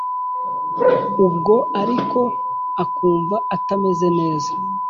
Ubwo aliko akumva atameze neza